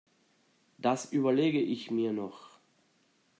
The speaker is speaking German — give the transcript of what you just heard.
Das überlege ich mir noch.